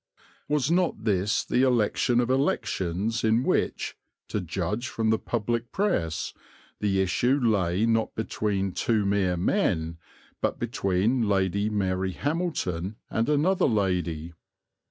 Was not this the election of elections in which, to judge from the public press, the issue lay not between two mere men, but between Lady Mary Hamilton and another lady.